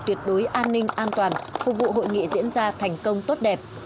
tuyệt đối an ninh an toàn phục vụ hội nghị diễn ra thành công tốt đẹp